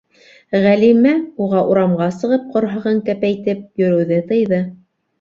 Ғәлимә уға урамға сығып ҡорһағын кәпәйтеп йөрөүҙе тыйҙы.